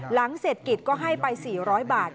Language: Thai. หลังเศรษฐกิจก็ให้ไป๔๐๐บาท